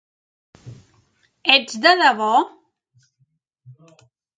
Ets de debò?